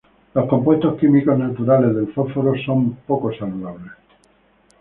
Los compuestos químicos naturales del fósforo son poco saludables.